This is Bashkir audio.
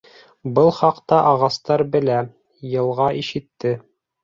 Был хаҡта ағастар белә, йылға ишетте.